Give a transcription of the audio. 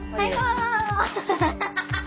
ハハハハ！